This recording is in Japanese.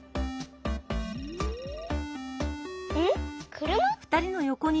くるま？